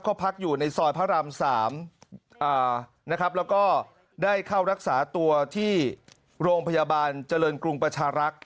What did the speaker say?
เขาพักอยู่ในซอยพระราม๓นะครับแล้วก็ได้เข้ารักษาตัวที่โรงพยาบาลเจริญกรุงประชารักษ์